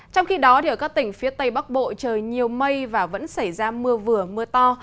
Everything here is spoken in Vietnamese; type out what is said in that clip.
trong khi đó ở các tỉnh phía tây bắc bộ trời nhiều mây và vẫn xảy ra mưa vừa mưa to